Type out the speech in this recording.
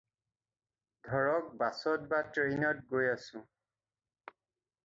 ধৰক, বাছত বা ট্ৰেইনত গৈ আছোঁ।